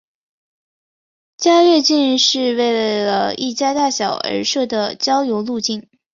家乐径是为了一家大小而设的郊游路径。